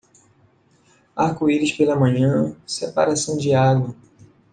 Arco-íris pela manhã, separação de água.